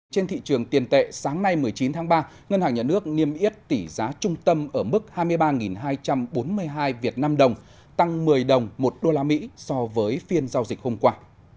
trên thị trường tiền tệ sáng nay một mươi chín tháng ba ngân hàng nhà nước niêm yết tỷ giá trung tâm ở mức hai mươi ba hai trăm bốn mươi hai vnđ tăng một mươi đồng một usd so với phiên giao dịch hôm qua